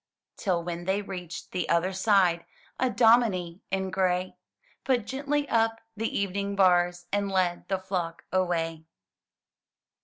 Till when they reached the other side, A dominie in gray Put gently up the evening bars, And led the flock away.